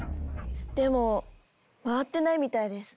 でも回ってないみたいです。